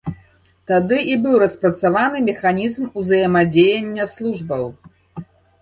Тады і быў распрацаваны механізм узаемадзеяння службаў.